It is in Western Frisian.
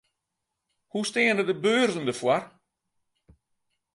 Hoe steane de beurzen derfoar?